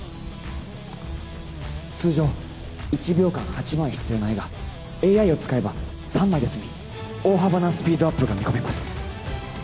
通常１秒間８枚必要な画がＡＩを使えば３枚で済み大幅なスピードアップが見込めます